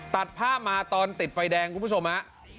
ตัดภาพมาตอนติดไฟแดงคุณผู้ชมฮะ